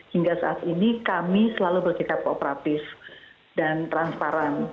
hingga saat ini kami selalu bersikap kooperatif dan transparan